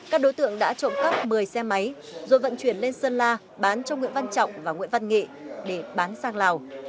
các đối tượng đã trộm cắp một mươi xe máy rồi vận chuyển lên sơn la bán cho nguyễn văn trọng và nguyễn văn nghệ để bán sang lào